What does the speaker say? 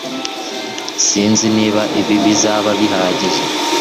Sinzi niba ibi bizaba bihagije